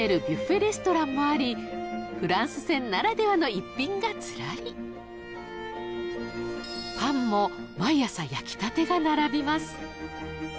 レストランもありフランス船ならではの一品がズラリパンも毎朝焼きたてが並びます